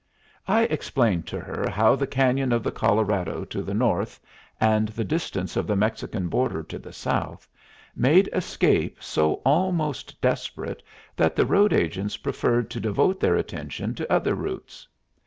I explained to her how the Cañon of the Colorado to the north, and the distance of the Mexican border to the south, made escape so almost desperate that the road agents preferred to devote their attentions to other routes.